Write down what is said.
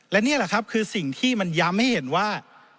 และนี่แหละครับคือสิ่งที่มันย้ำให้เห็นว่า